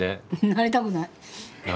なりたくない。